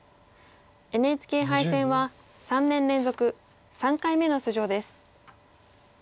ＮＨＫ杯戦は３年連続３回目の出場です。